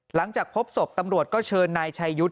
หลังจากพบศพตำรวจก็เชิญนายชายุทธ์